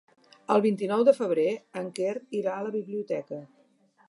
El vint-i-nou de febrer en Quer irà a la biblioteca.